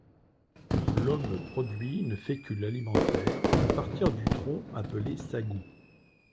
L'homme produit une fécule alimentaire à partir du tronc appelée sagou.